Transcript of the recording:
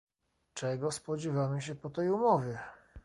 Czego spodziewamy się po tej umowie?